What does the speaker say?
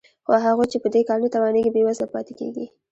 خو هغوی چې په دې کار نه توانېږي بېوزله پاتې کېږي